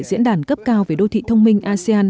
diễn đàn cấp cao về đô thị thông minh asean